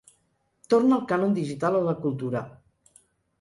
Torna el cànon digital a la cultura.